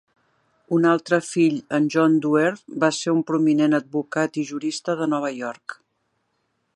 Un altre fill, en John Duer, va ser un prominent advocat i jurista de Nova York.